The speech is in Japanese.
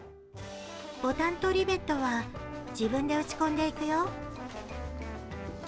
ボタンとリベットは自分で打ち込んでいくよ。